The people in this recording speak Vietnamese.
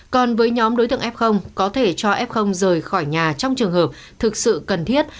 còn với nhóm đối tượng f có thể cho f rời khỏi nhà trong trường hợp thực sự cần thiết